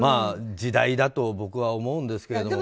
時代だと僕は思うんですけど。